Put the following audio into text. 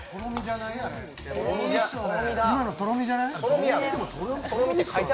今の、とろみじゃない？